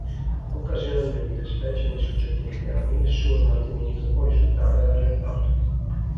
Occasionalmente, specie nei soggetti anziani, il suo smaltimento può risultare rallentato.